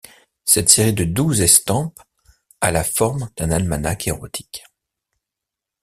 Cette série de douze estampes a la forme d'un almanach érotique.